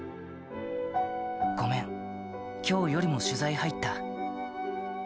ごめん、きょう夜も取材入った。